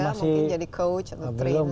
mungkin jadi coach atau train